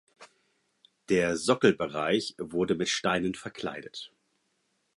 Der Sockelbereich wurde mit Steinen verkleidet.